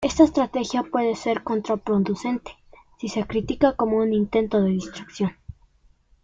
Esta estrategia puede ser contraproducente si se critica como un intento de distracción.